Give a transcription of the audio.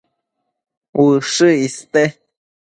Ushë iste